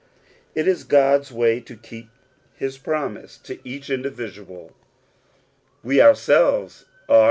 // is God's %vay to keep is promise to each individual. We ourselves are